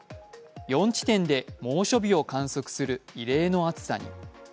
４地点で猛暑日を観測する異例の暑さに。